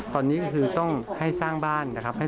ขอบคุณมณัสสวัสดีครับ